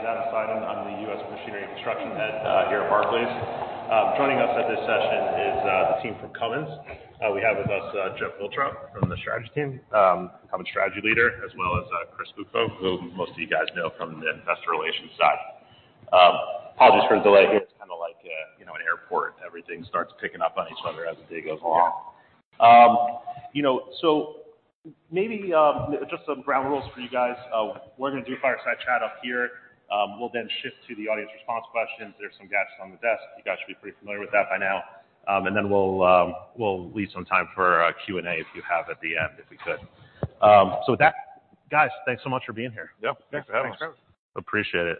We'll get started here. My name is Adam Seiden. I'm the U.S. Machinery and Construction Head here at Barclays. Joining us at this session is the team from Cummins. We have with us Jeff Wiltrout from the strategy team, Cummins strategy leader, as well as Chris Clulow, who most of you guys know from the Investor Relations side. Apologies for the delay. It's kind of like, you know, an airport. Everything starts picking up on each other as the day goes on. You know, maybe just some ground rules for you guys. We're gonna do a fireside chat up here. We'll then shift to the audience response questions. There's some gadgets on the desk. You guys should be pretty familiar with that by now. We'll leave some time for Q&A if you have at the end, if we could. With that, guys, thanks so much for being here. Yep. Thanks for having us. Thanks for having us. Appreciate it.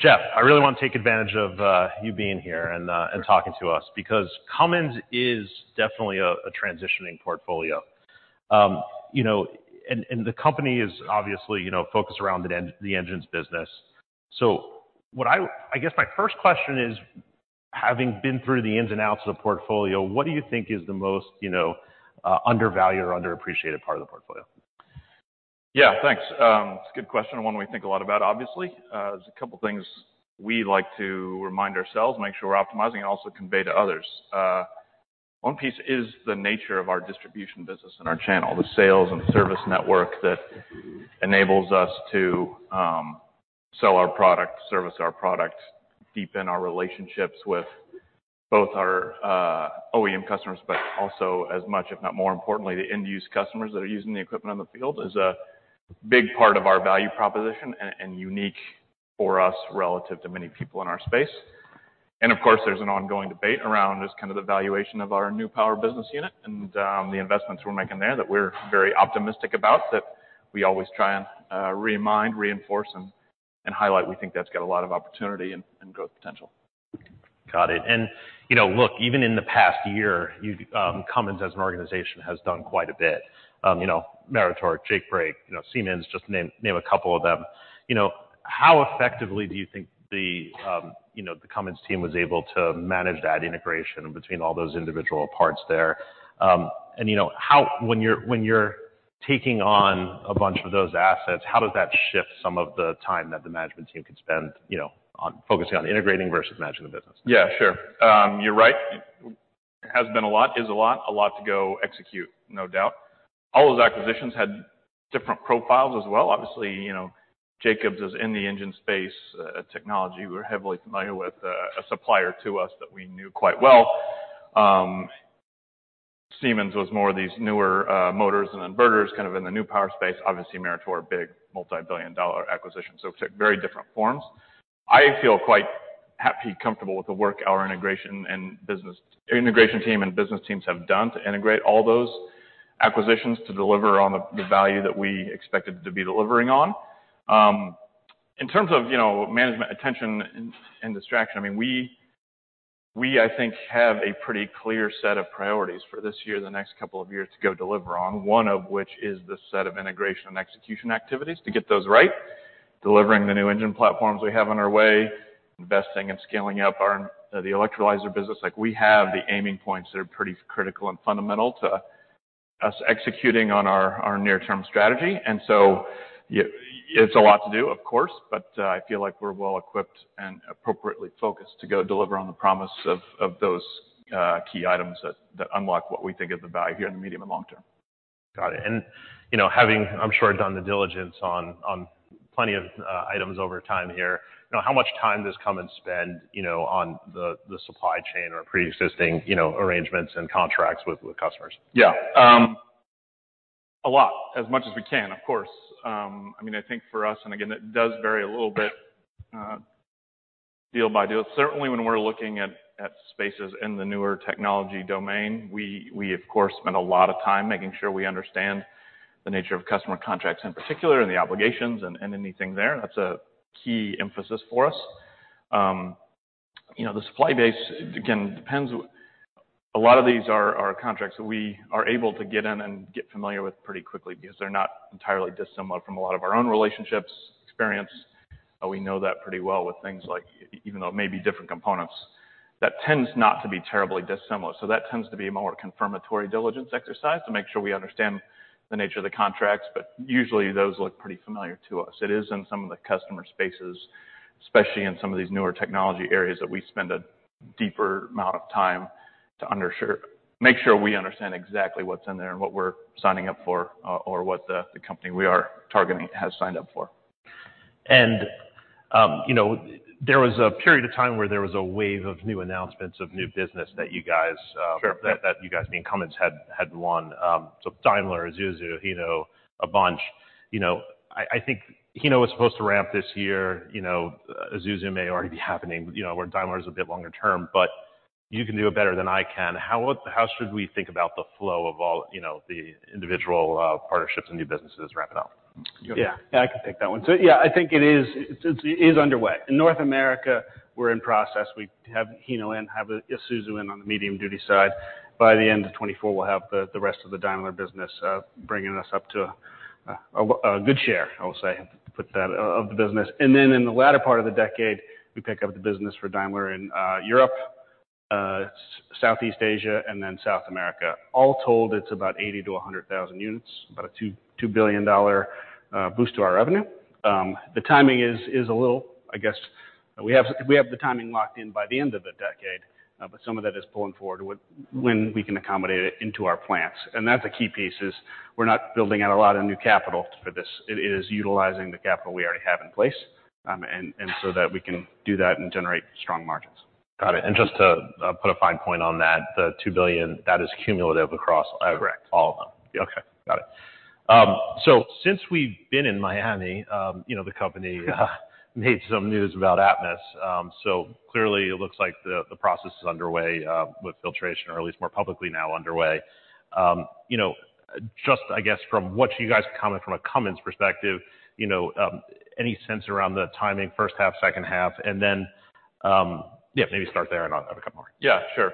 Jeff, I really want to take advantage of you being here and talking to us because Cummins is definitely a transitioning portfolio. You know, and the company is obviously, you know, focused around the engines business. What I guess my first question is, having been through the ins and outs of the portfolio, what do you think is the most, you know, undervalued or underappreciated part of the portfolio? Yeah, thanks. It's a good question, and one we think a lot about obviously. There's a couple things we like to remind ourselves, make sure we're optimizing, and also convey to others. One piece is the nature of our distribution business and our channel. The sales and service network that enables us to sell our product, service our product, deepen our relationships with both our OEM customers, but also as much, if not more importantly, the end-use customers that are using the equipment on the field is a big part of our value proposition and unique for us relative to many people in our space. Of course, there's an ongoing debate around just kind of the valuation of our New Power business unit and the investments we're making there that we're very optimistic about, that we always try and remind, reinforce, and highlight. We think that's got a lot of opportunity and growth potential. Got it. You know, look, even in the past year, you know, Cummins as an organization has done quite a bit. You know, Meritor, Jake Brake, you know, Siemens, just to name a couple of them. You know, how effectively do you think the, you know, the Cummins team was able to manage that integration between all those individual parts there? You know, how When you're, when you're taking on a bunch of those assets, how does that shift some of the time that the management team could spend, you know, on focusing on integrating versus managing the business? Yeah, sure. You're right. It has been a lot. Is a lot. A lot to go execute, no doubt. All those acquisitions had different profiles as well. Obviously, you know, Jacobs is in the engine space, technology. We're heavily familiar with, a supplier to us that we knew quite well. Siemens was more of these newer motors and inverters, kind of in the New Power space. Obviously, Meritor, big multi-billion dollar acquisition. It took very different forms. I feel quite happy, comfortable with the work our integration team and business teams have done to integrate all those acquisitions to deliver on the value that we expected to be delivering on. In terms of, you know, management attention and distraction, I mean, we, I think, have a pretty clear set of priorities for this year, the next couple of years to go deliver on, one of which is the set of integration and execution activities to get those right. Delivering the new engine platforms we have on our way, investing and scaling up our electrolyzer business. Like, we have the aiming points that are pretty critical and fundamental to us executing on our near-term strategy. It's a lot to do, of course, but I feel like we're well-equipped and appropriately focused to go deliver on the promise of those key items that unlock what we think is the value here in the medium and long term. Got it. You know, having, I'm sure, done the diligence on plenty of items over time here, you know, how much time does Cummins spend, you know, on the supply chain or preexisting, you know, arrangements and contracts with the customers? A lot. As much as we can, of course. I mean, I think for us, and again, it does vary a little bit, deal by deal. Certainly when we're looking at spaces in the newer technology domain, we of course spend a lot of time making sure we understand the nature of customer contracts in particular and the obligations and anything there. That's a key emphasis for us. You know, the supply base, again, depends. A lot of these are contracts that we are able to get in and get familiar with pretty quickly because they're not entirely dissimilar from a lot of our own relationships experience. We know that pretty well with things like, even though it may be different components, that tends not to be terribly dissimilar. That tends to be a more confirmatory diligence exercise to make sure we understand the nature of the contracts, but usually those look pretty familiar to us. It is in some of the customer spaces, especially in some of these newer technology areas, that we spend a deeper amount of time make sure we understand exactly what's in there and what we're signing up for, or what the company we are targeting has signed up for. You know, there was a period of time where there was a wave of new announcements of new business that you guys, being Cummins, had won. Daimler, Isuzu, Hino, a bunch. You know, I think Hino was supposed to ramp this year. You know, Isuzu may already be happening. You know, where Daimler is a bit longer term, but you can do it better than I can. How should we think about the flow of all, you know, the individual partnerships and new businesses ramping up? Yeah. Yeah, I can take that one. Yeah, I think it is underway. In North America, we're in process. We have Hino in, have Isuzu in on the medium duty side. By the end of 2024, we'll have the rest of the Daimler business, bringing us up to a good share, I'll say, put that, of the business. In the latter part of the decade, we pick up the business for Daimler in Europe, Southeast Asia and then South America. All told, it's about 80,000-100,000 units, about a $2 billion boost to our revenue. The timing is a little, I guess, we have the timing locked in by the end of the decade, but some of that is pulling forward with when we can accommodate it into our plants. That's a key piece, is we're not building out a lot of new capital for this. It is utilizing the capital we already have in place, and so that we can do that and generate strong margins. Got it. just to put a fine point on that, the $2 billion, that is cumulative across all of them? Correct. Okay. Got it. Since we've been in Miami, you know, the company made some news about Atmus. Clearly it looks like the process is underway with filtration or at least more publicly now underway. You know, just I guess from what you guys comment from a Cummins perspective, you know, any sense around the timing, first half, second half? Yeah, maybe start there and I'll have a couple more. Yeah, sure.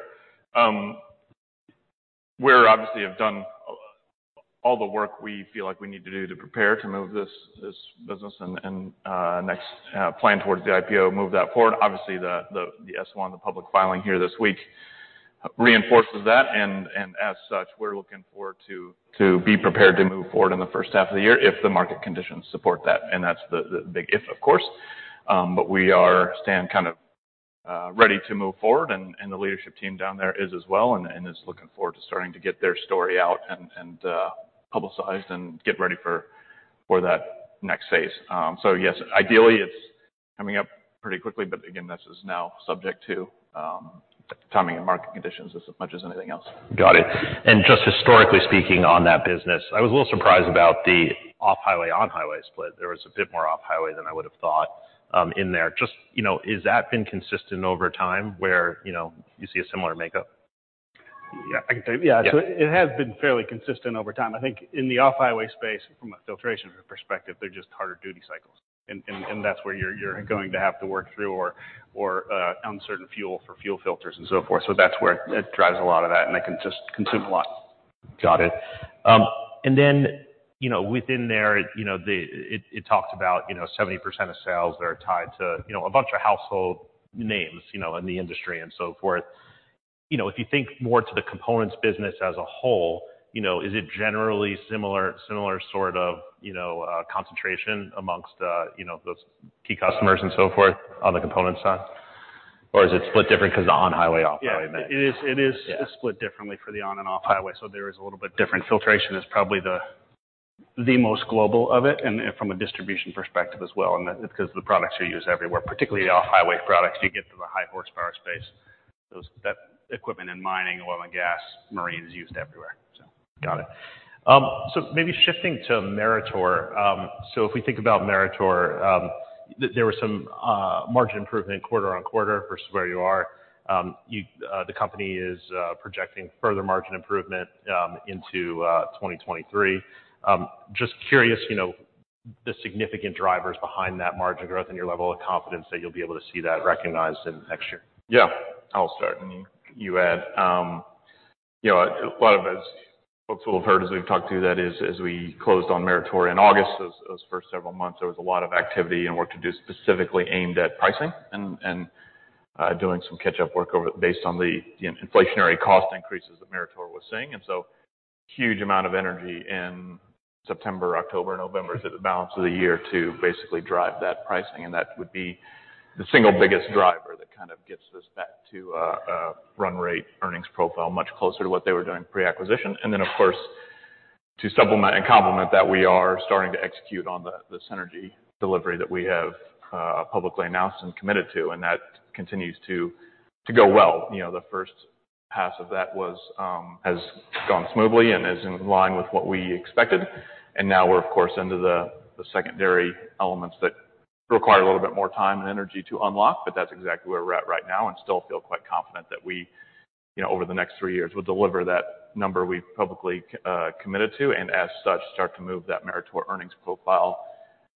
We obviously have done all the work we feel like we need to do to prepare to move this, this business and, and, uh, next, uh, plan towards the IPO, move that forward. Obviously, the, the S-1, the public filing here this week reinforces that. And as such, we're looking forward to be prepared to move forward in the first half of the year if the market conditions support that. And that's the big if, of course. But we are staying kind of ready to move forward and, and the leadership team down there is as well and, and is looking forward to starting to get their story out and publicized and get ready for that next phase. Yes, ideally it's coming up pretty quickly, but again, this is now subject to timing and market conditions as much as anything else. Got it. Just historically speaking on that business, I was a little surprised about the off-highway/on-highway split. There was a bit more off-highway than I would have thought in there. You know, is that been consistent over time where, you know, you see a similar makeup? Yeah, I can take it. Yeah. It has been fairly consistent over time. I think in the off-highway space from a filtration perspective, they're just harder duty cycles and that's where you're going to have to work through or, uncertain fuel for fuel filters and so forth. That's where it drives a lot of that, and they can just consume a lot. Got it. You know, within there, you know, it talks about, you know, 70% of sales that are tied to, you know, a bunch of household names, you know, in the industry and so forth. You know, if you think more to the components business as a whole, you know, is it generally similar sort of, you know, concentration amongst, you know, those key customers and so forth on the components side? Is it split different 'cause the on-highway/off-highway mix? Yeah, it is split differently for the on and off-highway, so there is a little bit different. Filtration is probably the most global of it and from a distribution perspective as well. Because the products are used everywhere, particularly the off-highway products, you get to the high horsepower space. That equipment in mining, oil and gas, marine is used everywhere. Got it. Maybe shifting to Meritor. If we think about Meritor, there was some margin improvement quarter-on-quarter versus where you are. You, the company is projecting further margin improvement into 2023. Just curious, you know, the significant drivers behind that margin growth and your level of confidence that you'll be able to see that recognized in next year. Yeah. I'll start and you add. You know, a lot of as folks will have heard as we've talked to that is, as we closed on Meritor in August, those first several months, there was a lot of activity and work to do specifically aimed at pricing and doing some catch-up work over based on the, you know, inflationary cost increases that Meritor was seeing. So huge amount of energy in September, October, November to the balance of the year to basically drive that pricing. That would be the single biggest driver that kind of gets us back to a run rate earnings profile much closer to what they were doing pre-acquisition. Of course, to supplement and complement that, we are starting to execute on the synergy delivery that we have publicly announced and committed to, and that continues to go well. You know, the first pass of that has gone smoothly and is in line with what we expected. Now we're of course into the secondary elements that require a little bit more time and energy to unlock, but that's exactly where we're at right now and still feel quite confident that we, you know, over the next three years will deliver that number we've publicly committed to, and as such, start to move that Meritor earnings profile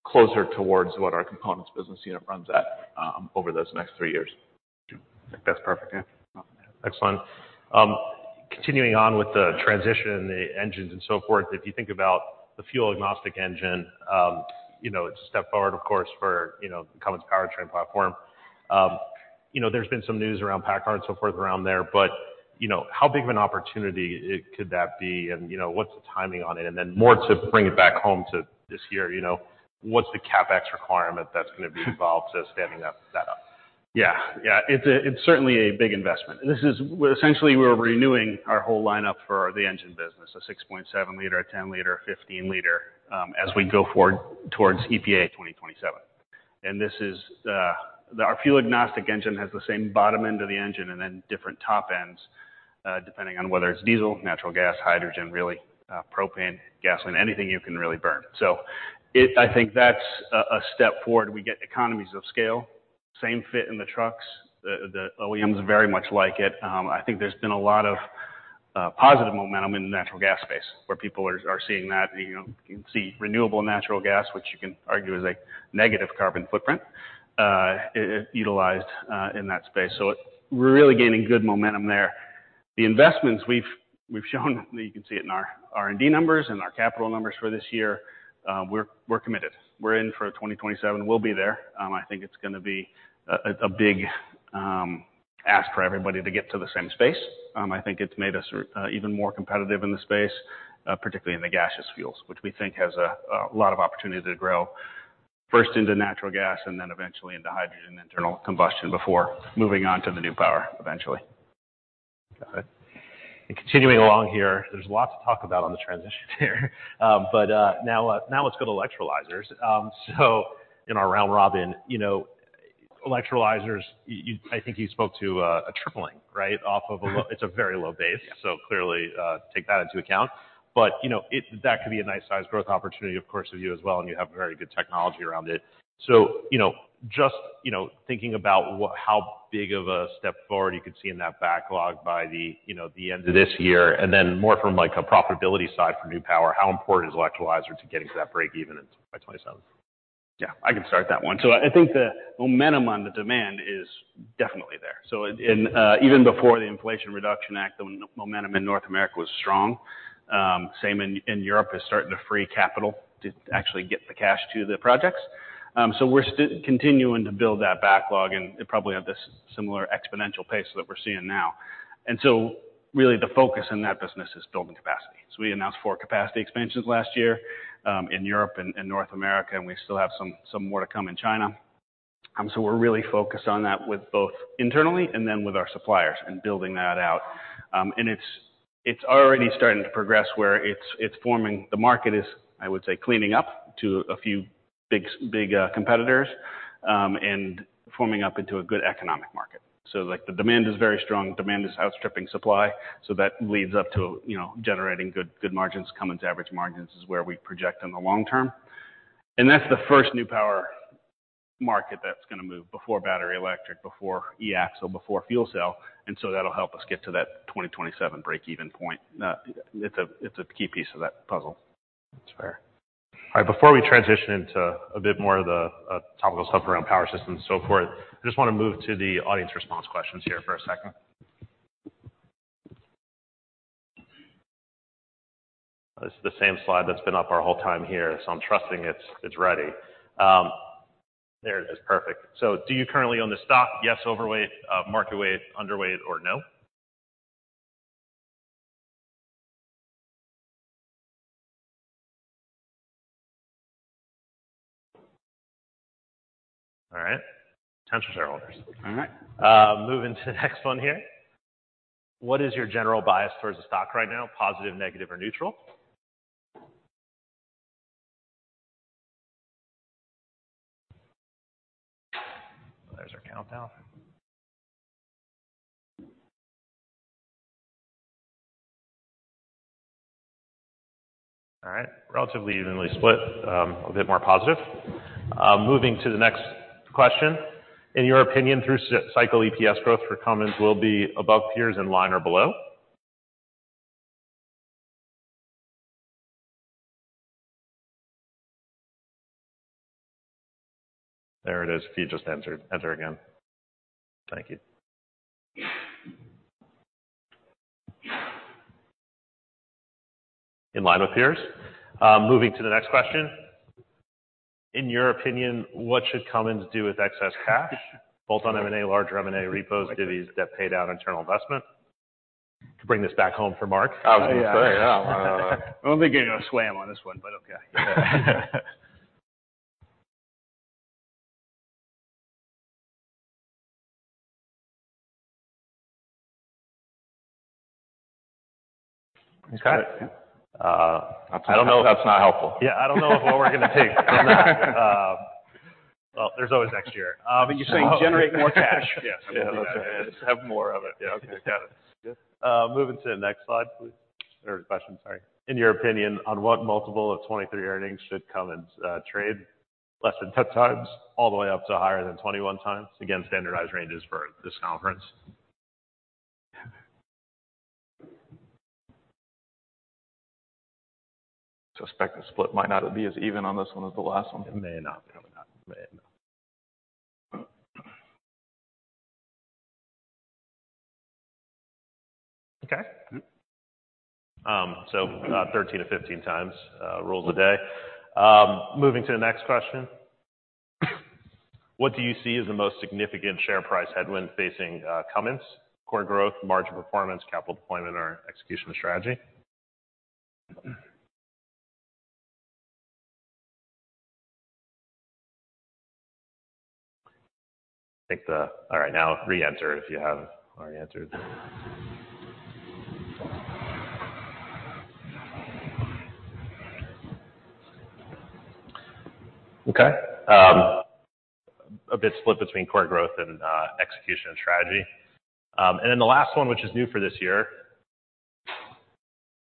closer towards what our components business unit runs at over those next three years. That's perfect. Yeah. Excellent. Continuing on with the transition, the engines and so forth. If you think about the fuel-agnostic engine, you know, it's a step forward, of course, for, you know, the Cummins powertrain platform. You know, there's been some news around PACCAR and so forth around there, but, you know, how big of an opportunity it could that be and, you know, what's the timing on it? More to bring it back home to this year, you know, what's the CapEx requirement that's gonna be involved to standing that up? Yeah. Yeah. It's certainly a big investment. This is where essentially we're renewing our whole lineup for the engine business, a 6.7 L, a 10 L, a 15 L as we go forward towards EPA 2027. This is our fuel-agnostic engine has the same bottom end of the engine and then different top ends, depending on whether it's diesel, natural gas, hydrogen, really, propane, gasoline, anything you can really burn. I think that's a step forward. We get economies of scale, same fit in the trucks. The OEMs very much like it. I think there's been a lot of positive momentum in the natural gas space where people are seeing that. You know, you can see renewable natural gas, which you can argue is a negative carbon footprint, utilized in that space. We're really gaining good momentum there. The investments we've shown, you can see it in our R&D numbers and our capital numbers for this year, we're committed. We're in for 2027. We'll be there. I think it's gonna be a big ask for everybody to get to the same space. I think it's made us even more competitive in the space, particularly in the gaseous fuels, which we think has a lot of opportunity to grow first into natural gas and then eventually into hydrogen internal combustion before moving on to the New Power eventually. Got it. Continuing along here, there's a lot to talk about on the transition here. Now let's go to electrolyzers. In our round robin, you know, electrolyzers, I think you spoke to a tripling, right? Off of a low-- It's a very low base. Clearly, take that into account. you know, that could be a nice size growth opportunity, of course, with you as well, and you have very good technology around it. you know, just, you know, thinking about how big of a step forward you could see in that backlog by the, you know, the end of this year, and then more from like a profitability side for New Power, how important is electrolyzer to getting to that break even by 2027? Yeah, I can start that one. I think the momentum on the demand is definitely there. Even before the Inflation Reduction Act, the momentum in North America was strong. Same in Europe is starting to free capital to actually get the cash to the projects. We're continuing to build that backlog and probably have this similar exponential pace that we're seeing now. Really the focus in that business is building capacity. We announced four capacity expansions last year, in Europe and North America, and we still have some more to come in China. We're really focused on that with both internally and then with our suppliers and building that out. It's already starting to progress where it's forming-- The market is, I would say, cleaning up to a few big, big competitors, and forming up into a good economic market. Like the demand is very strong. Demand is outstripping supply, so that leads up to, you know, generating good margins. Cummins average margins is where we project in the long term. That's the first New Power market that's gonna move before battery electric, before e-axle, before fuel cell, that'll help us get to that 2027 break even point. It's a key piece of that puzzle. That's fair. Before we transition into a bit more of the topical stuff around Power Systems and so forth, I just wanna move to the audience response questions here for a second. This is the same slide that's been up our whole time here, so I'm trusting it's ready. There it is. Perfect. Do you currently own the stock? Yes, overweight, market weight, underweight, or no? In terms of shareholders. All right. Moving to the next one here. What is your general bias towards the stock right now? Positive, negative, or neutral? There's our countdown. All right. Relatively evenly split. A bit more positive. Moving to the next question. In your opinion, through cycle EPS growth for Cummins will be above peers, in line, or below? There it is. If you just entered, enter again. Thank you. In line with peers. Moving to the next question. In your opinion, what should Cummins do with excess cash, both on M&A, larger M&A, repos, divvies, debt paid out, internal investment? To bring this back home for Mark. I was gonna say. I don't think you're gonna sway him on this one, but okay. I don't know if that's helpful. Yeah, I don't know what we're gonna take from that. Well, there's always next year. You're saying generate more cash. Yes. Yeah. That's it. Have more of it. Yeah. Okay. Got it. Yeah. moving to the next slide, please. Or question, sorry. In your opinion, on what multiple of 2023 earnings should Cummins trade? Less than 10x, all the way up to higher than 21x. Again, standardized ranges for this conference. I suspect the split might not be as even on this one as the last one. It may not. Probably not. It may not. Okay. So, 13x-15xrules the day. Moving to the next question. What do you see as the most significant share price headwind facing Cummins? Core growth, margin performance, capital deployment, or execution of strategy? All right, now re-enter if you haven't already answered. Okay. A bit split between core growth and execution of strategy. The last one, which is new for this year.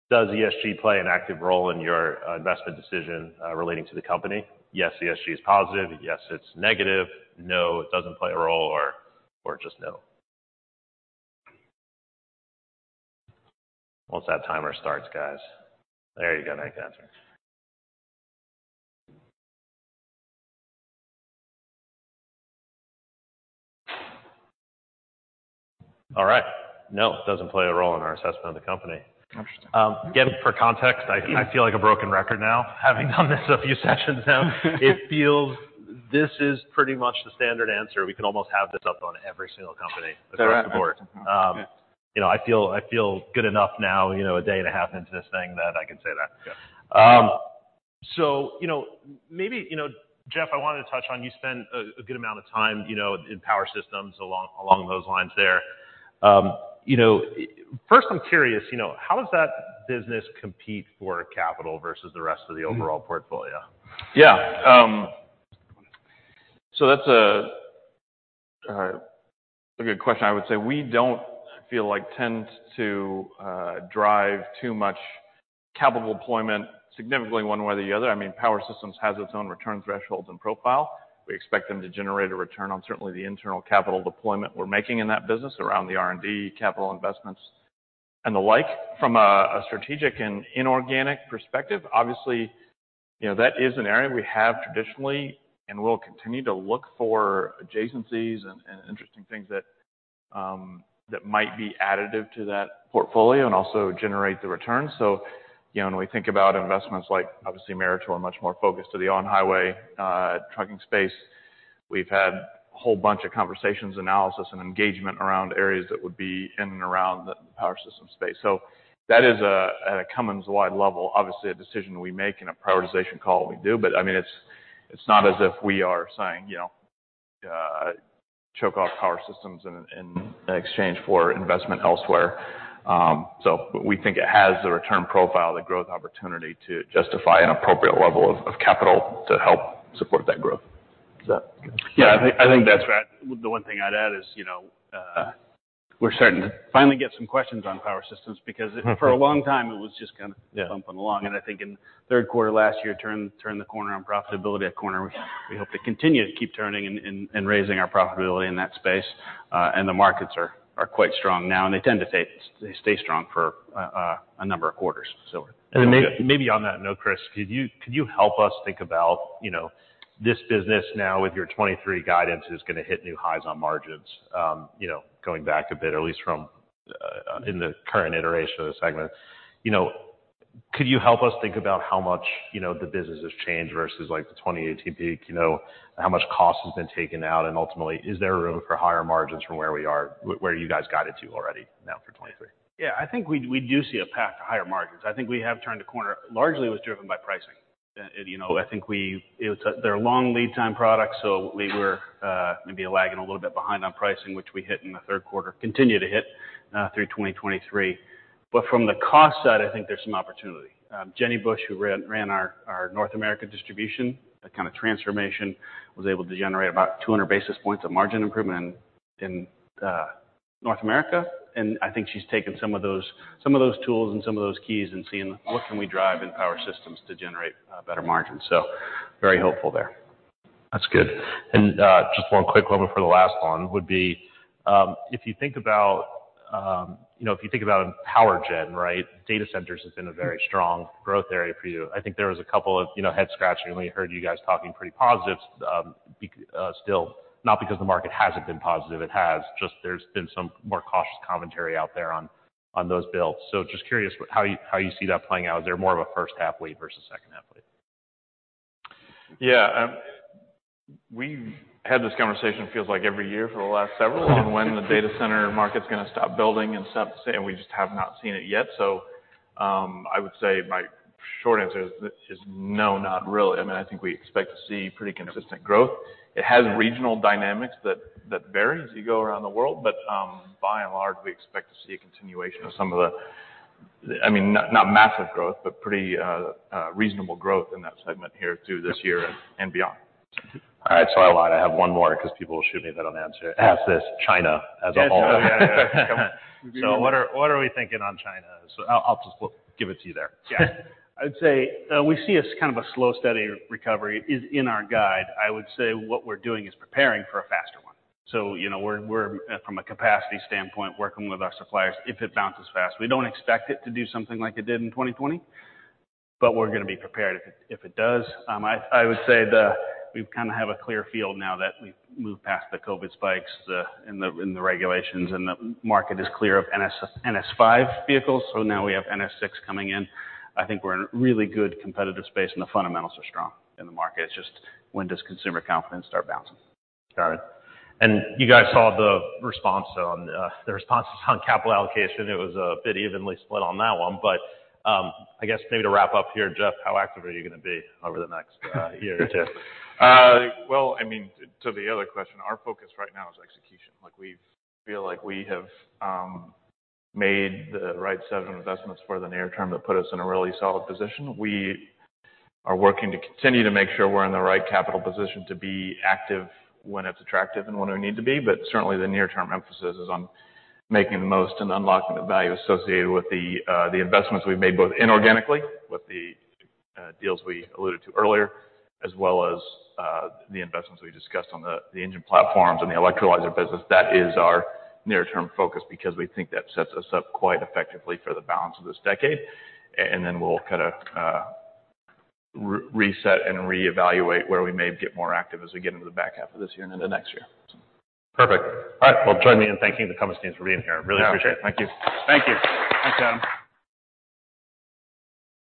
Does ESG play an active role in your investment decision relating to the company? Yes, ESG is positive. Yes, it's negative. No, it doesn't play a role or just no. Once that timer starts, guys. There you go. Now you can answer. All right. No, it doesn't play a role in our assessment of the company. Interesting. Again, for context, I feel like a broken record now, having done this a few sessions now. It feels this is pretty much the standard answer. We can almost have this up on every single company across the board. All right. You know, I feel good enough now, you know, a day and a half into this thing that I can say that. Yeah. You know, maybe, you know, Jeff, I wanted to touch on, you spent a good amount of time, you know, in Power Systems along those lines there. You know, first, I'm curious, you know, how does that business compete for capital versus the rest of the overall portfolio? Yeah. That's a good question. I would say we don't feel like tend to drive too much capital deployment significantly one way or the other. I mean, Power Systems has its own return thresholds and profile. We expect them to generate a return on certainly the internal capital deployment we're making in that business around the R&D capital investments and the like. From a strategic and inorganic perspective, obviously, you know, that is an area we have traditionally and will continue to look for adjacencies and interesting things that might be additive to that portfolio and also generate the return. You know, when we think about investments like obviously Meritor, we're much more focused to the on-highway trucking space. We've had a whole bunch of conversations, analysis, and engagement around areas that would be in and around the power system space. That is at a Cummins-wide level, obviously a decision we make and a prioritization call that we do. I mean, it's not as if we are saying, you know, choke off power systems in exchange for investment elsewhere. We think it has the return profile, the growth opportunity to justify an appropriate level of capital to help support that growth. Yeah, I think that's right. The one thing I'd add is, you know, we're starting to finally get some questions on Power Systems because for a long time it was just kind of bumping along. I think in the third quarter last year turned the corner on profitability, a corner we hope to continue to keep turning and raising our profitability in that space. The markets are quite strong now, and they tend to stay strong for a number of quarters. We're good. Maybe on that note, Chris, could you help us think about, you know, this business now with your 2023 guidance is going to hit new highs on margins. You know, going back a bit, at least from in the current iteration of the segment. You know, could you help us think about how much, you know, the business has changed versus like the 2018 peak? You know, how much cost has been taken out, and ultimately is there room for higher margins from where we are, where you guys got it to already now for 2023? I think we do see a path to higher margins. I think we have turned a corner. Largely it was driven by pricing. You know, I think they're long lead time products, so we were maybe lagging a little bit behind on pricing, which we hit in the third quarter, continue to hit through 2023. From the cost side, I think there's some opportunity. Jenny Bush, who ran our North America distribution, that kind of transformation, was able to generate about 200 basis points of margin improvement in North America. I think she's taken some of those tools and some of those keys and seeing what can we drive in Power Systems to generate better margins. Very hopeful there. That's good. Just one quick one before the last one would be, if you think about, you know, if you think about power gen, right? Data centers has been a very strong growth area for you. I think there was a couple of, you know, head scratching when we heard you guys talking pretty positive, still. Not because the market hasn't been positive. It has. Just there's been some more cautious commentary out there on those builds. Just curious how you, how you see that playing out? Is there more of a first half lead versus second half lead? Yeah. We've had this conversation feels like every year for the last several on when the data center market's gonna stop building and stuff. We just have not seen it yet. I would say my short answer is no, not really. I mean, I think we expect to see pretty consistent growth. It has regional dynamics that vary as you go around the world, by and large, we expect to see a continuation of some of the... I mean, not massive growth, but pretty reasonable growth in that segment here through this year and beyond. All right. I lied. I have one more because people will shoot me if I don't answer. Ask this, China as a whole. Yeah. What are we thinking on China? I'll just give it to you there. Yeah. I'd say, we see as kind of a slow, steady recovery is in our guide. I would say what we're doing is preparing for a faster one. You know, we're from a capacity standpoint, working with our suppliers if it bounces fast. We don't expect it to do something like it did in 2020, but we're gonna be prepared if it does. I would say we kind of have a clear field now that we've moved past the COVID spikes, the in the regulations, and the market is clear of NS5 vehicles. Now we have NS6 coming in. I think we're in a really good competitive space and the fundamentals are strong in the market. It's just when does consumer confidence start bouncing? Got it. You guys saw the response on the responses on capital allocation. It was a bit evenly split on that one. I guess maybe to wrap up here, Jeff, how active are you gonna be over the next year or two? Well, I mean, to the other question, our focus right now is execution. Like, we feel like we have made the right set of investments for the near term that put us in a really solid position. We are working to continue to make sure we're in the right capital position to be active when it's attractive and when we need to be. Certainly, the near term emphasis is on making the most and unlocking the value associated with the investments we've made, both inorganically with the deals we alluded to earlier, as well as the investments we discussed on the engine platforms and the electrolyzer business. That is our near-term focus because we think that sets us up quite effectively for the balance of this decade. We'll kind of reset and reevaluate where we may get more active as we get into the back half of this year and into next year. Perfect. All right. Well, join me in thanking the Cummins team for being here. Really appreciate it. Thank you. Thank you. Thanks, Adam.